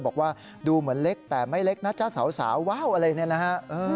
บอกว่าดูเหมือนเล็กแต่ไม่เล็กนะจ๊ะสาวว้าวอะไรเนี่ยนะฮะ